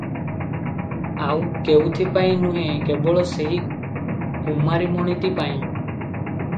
ଆଉ କେଉଁଥିପାଇଁ ନୁହେଁ, କେବଳ ସେହି କୁମାରୀ ମଣିଟି ପାଇଁ ।